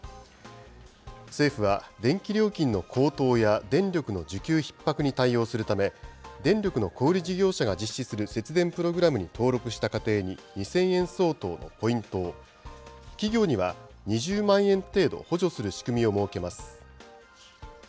政府は、電気料金の高騰や電力の需給ひっ迫に対応するため、電力の小売り事業者が実施する節電プログラムに登録した家庭に、２０００円相当のポイントを、企業には、２０万円程度補助する仕組みを設けます。